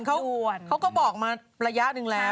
ไม่ได้ด่วนเขาก็บอกมาระยะหนึ่งแล้ว